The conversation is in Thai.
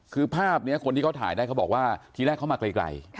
คือภาพนี้คนที่เขาถ่ายได้เขาบอกว่าทีแรกเขามาไกล